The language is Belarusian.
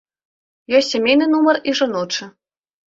Ёсць сямейны нумар і жаночы.